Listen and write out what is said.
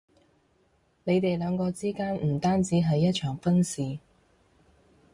你哋兩個之間唔單止係一場婚事